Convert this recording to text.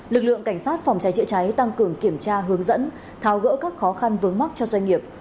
lực lượng cảnh sát phòng trái trựa trái tăng cường kiểm tra hướng dẫn thao gỡ các khó khăn vướng mắc cho doanh nghiệp